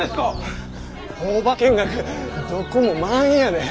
工場見学どこも満員やねん。